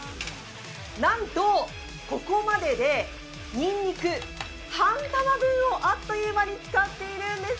なんとここまでで、にんにく半玉分をあっという間に使っているんです。